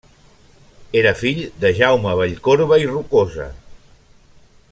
Era fill de Jaume Vallcorba i Rocosa.